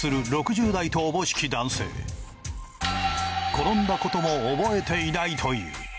転んだことも覚えていないという。